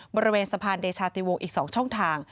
บริเวณสะพานเดชาติวงอีก๒ช่องทาง